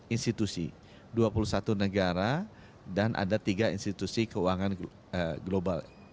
dua puluh empat institusi dua puluh satu negara dan ada tiga institusi keuangan global